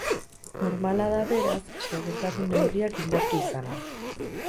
Normala da, beraz, segurtasun neurriak indartu izana.